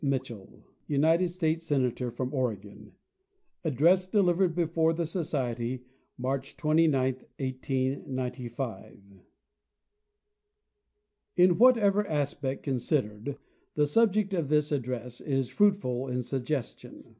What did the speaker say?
MITCHELL UNITED STATES SENATOR FROM OREGON (Address delivered before the Society March 29, 1895) In whatever aspect considered, the subject of this address is fruitful in suggestion.